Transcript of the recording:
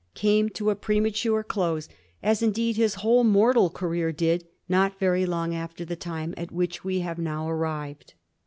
131 came to a premature close ; as indeed his whole mortal career did not very long after the time at which we have now arrived.